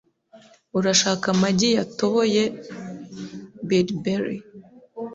Urashaka amagi yatoboye? Bilberry)